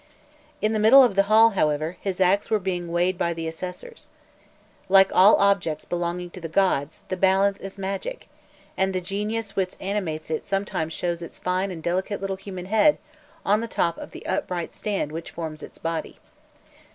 In the middle of the Hall, however, his acts were being weighed by the assessors. Like all objects belonging to the gods, the balance is magic, and the genius which animates it sometimes shows its fine and delicate little human head on the top of the upright stand which forms its body.